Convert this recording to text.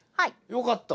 よかった。